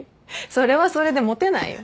それはそれでモテないよ。